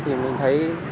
thì mình thấy